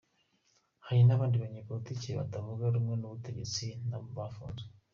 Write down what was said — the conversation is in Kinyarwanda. Hari n’abandi banyepolitike batavuga rumwe n’ubutegetsi nabo bafunzwe.